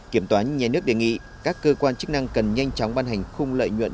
kiểm toán nhà nước đề nghị các cơ quan chức năng cần nhanh chóng ban hành khung lợi nhuận